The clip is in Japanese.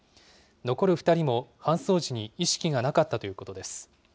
残る２人も搬送時に意識がなかったということです。